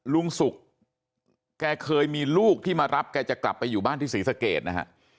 ลุงสุกแกเคยมีลูกที่มารับแกจะกลับไปอยู่บ้านที่ศรีสะเกดนะฮะ